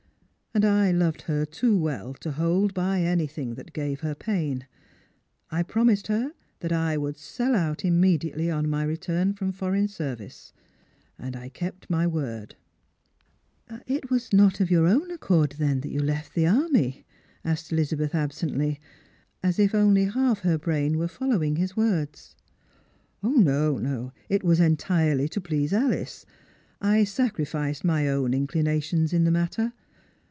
And I loved her too well to hoM by anything that gave her pain. I promised her that I would sell out immediately on my return from ^"r.«ign service, u sd l:ept my wc»d " 44 ' Strangers and JBilgnnts. " It was not of your own accord, then, that you left the army ?" asked Elizabeth absently, as if only half her brain were following his words. " No, it was entirely to please Alice. I sacrificed my own inclinations in the matter.